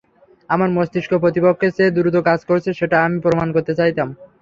আমার মস্তিষ্ক প্রতিপক্ষের চেয়ে দ্রুত কাজ করছে, সেটা আমি প্রমাণ করতে চাইতাম।